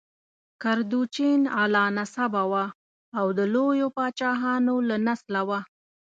کردوچین اعلی نسبه وه او د لویو پاچاهانو له نسله وه.